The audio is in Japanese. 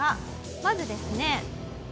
まずですねはい。